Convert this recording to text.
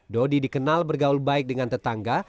dodi dikenal bergaul baik dengan tetangga